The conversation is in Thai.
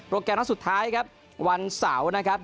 โรคแก่งราคาสุดท้ายครับวันเสาร์นะครับ